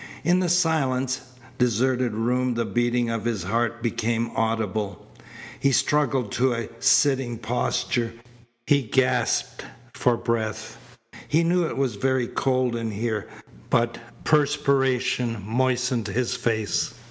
In the silent, deserted room the beating of his heart became audible. He struggled to a sitting posture. He gasped for breath. He knew it was very cold in here, but perspiration moistened his face.